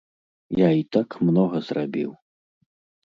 Я і так многа зрабіў.